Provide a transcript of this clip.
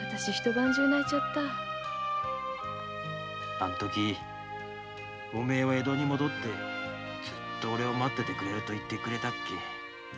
あの時お前は江戸に戻っておれを待っててくれると言ってくれたっけ